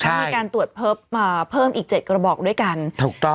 มีการตรวจพบเพิ่มอีก๗กระบอกด้วยกันถูกต้อง